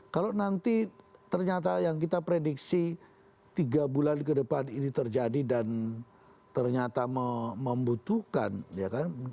kalau nanti ternyata yang kita prediksi tiga bulan ke depan ini terjadi dan ternyata membutuhkan ya kan